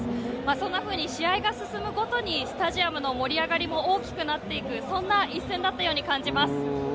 そんなふうに試合が進むごとに、スタジアムの盛り上がりも大きくなっていく、そんな一戦だったように感じます。